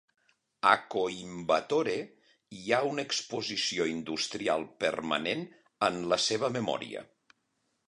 A Coimbatore hi ha una exposició industrial permanent en la seva memòria.